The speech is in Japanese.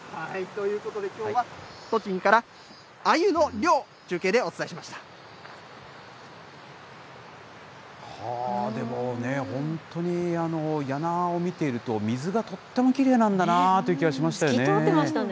ということで、きょうは栃木から、アユの漁、中継でお伝えしでもね、本当にやなを見ていると、水がとってもきれいなんだなという気がしましたね。